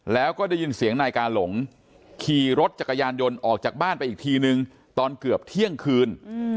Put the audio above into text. แล้วก็ได้ยินเสียงนายกาหลงขี่รถจักรยานยนต์ออกจากบ้านไปอีกทีนึงตอนเกือบเที่ยงคืน